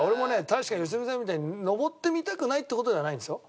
確かに良純さんみたいに登ってみたくないって事ではないんですよ。